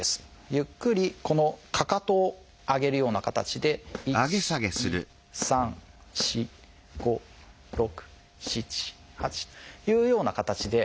ゆっくりこのかかとを上げるような形で１２３４５６７８というような形で。